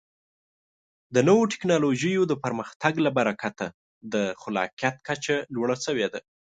د نوو ټکنالوژیو د پرمختګ له برکته د خلاقیت کچه لوړه شوې ده.